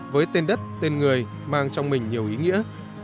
với tên đất tên người mang trong mình nhiều ý nghĩa